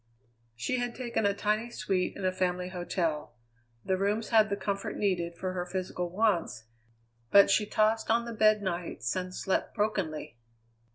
She had taken a tiny suite in a family hotel. The rooms had the comfort needed for her physical wants, but she tossed on the bed nights and slept brokenly.